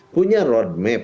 punya road map